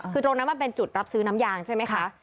คือตรงนั้นมันเป็นจุดรับซื้อน้ำยางใช่ไหมคะ